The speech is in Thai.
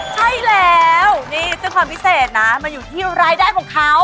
ใช่แล้วนี้เนี่ยต้นผลพิเศษนะมาอยู่ที่รายได้ของเค้า